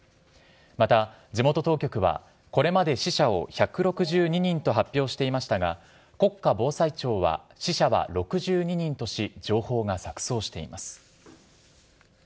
また地元当局は、これまで死者を１６２人と発表していましたが、国家防災庁は死者は６２人とし、情報が錯そうしています。